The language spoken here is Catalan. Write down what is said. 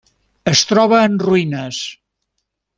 Es troba en ruïnes.